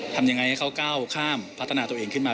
ทำยังไงให้เขาก้าวข้ามพัฒนาตัวเองขึ้นมา